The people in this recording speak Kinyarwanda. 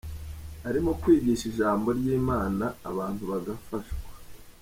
Arimo kwigisha Ijambo ry’imana abantu bagafashwa